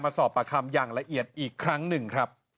สอบประคำอย่างละเอียดอีกครั้งหนึ่งครับ